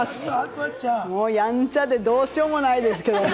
やんちゃでどうしようもないですけれども。